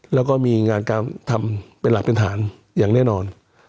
แล้วก็มีงานการทำเป็นหลักเป็นฐานอย่างแน่นอน